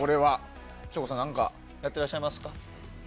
省吾さん、何かやってらっしゃいますか？